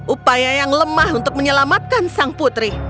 upaya yang lemah untuk menyelamatkan sang putri